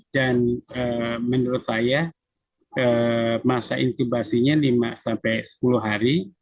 dan menurut saya masa intubasinya lima sampai sepuluh hari